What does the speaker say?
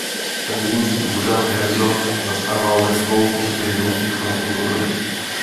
Prezidentský úřad Herzog zastával ve dvou po sobě jdoucích funkčních obdobích.